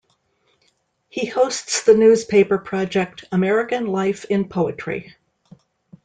He hosts the newspaper project American Life in Poetry.